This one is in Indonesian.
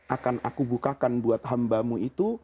akan aku bukakan buat hambamu itu